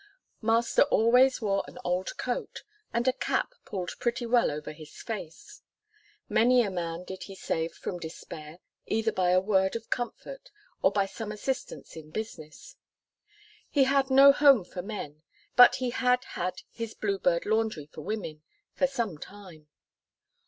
Master always wore an old coat, and a cap pulled pretty well over his face. Many a man did he save from despair, either by a word of comfort, or by some assistance in business. He had no home for men, but he had had his Bluebird Laundry for women, for some time.